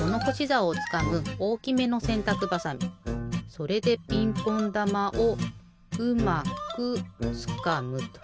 それでピンポンだまをうまくつかむと。